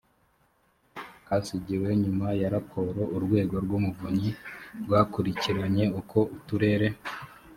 kasigiwe nyuma ya raporo urwego rw umuvunyi rwakurikiranye uko uturere